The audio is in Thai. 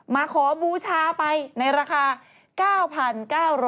มาขอบูชาไปในราคา๙๙๐๐บาท